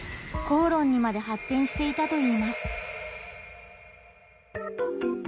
口論にまで発展していたといいます。